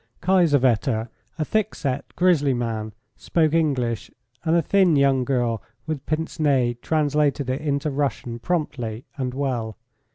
Kiesewetter, a thick set, grisly man, spoke English, and a thin young girl, with a pince nez, translated it into Russian promptly and well.